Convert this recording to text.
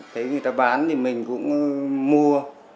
cái người ta bán thì mình cũng mua